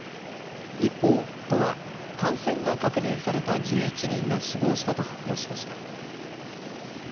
一方、都は感染が確認された１１人が死亡したと発表しました。